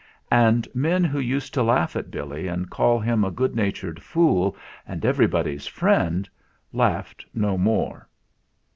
And men who used to laugh at Billy and call him a good natured fool and everybody's friend, laughed no more.